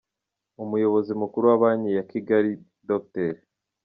Umuyobozi mukuru wa Banki ya Kigali Dr.